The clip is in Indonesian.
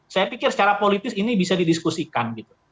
saya pikir secara politis ini bisa didiskusikan gitu